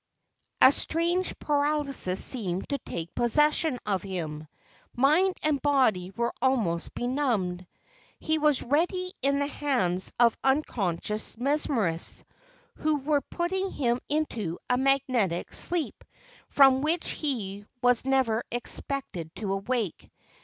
A strange paralysis seemed to take possession of him. Mind and body were almost benumbed. He was really in the hands of unconscious mesmerists, who were putting him into a magnetic sleep, from which he was never expected to awake.